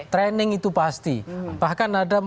training itu pasti bahkan ada